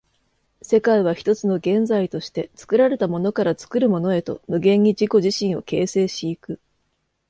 世界は一つの現在として、作られたものから作るものへと無限に自己自身を形成し行く。